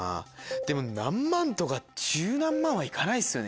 でも何万とか１０何万は行かないですよね